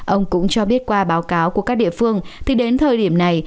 ông cũng cho biết qua báo cáo của các địa phương thì đến thời điểm này